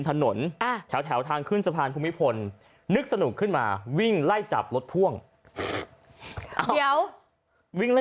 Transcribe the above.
ถนนแถวทางขึ้นสะพานภูมิพลนึกสนุกขึ้นมาวิ่งไล่จับรถพ่วงเดี๋ยววิ่งไล่